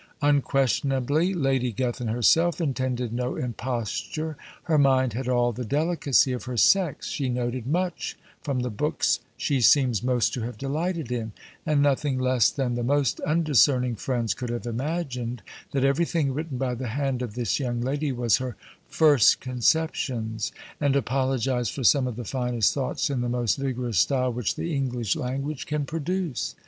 Unquestionably Lady Gethin herself intended no imposture; her mind had all the delicacy of her sex; she noted much from the books she seems most to have delighted in; and nothing less than the most undiscerning friends could have imagined that everything written by the hand of this young lady was her "first conceptions;" and apologise for some of the finest thoughts, in the most vigorous style which the English language can produce.